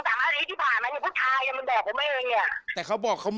ผมกล้าพูดเลยเค้าจะออนเวลา๑๑โมง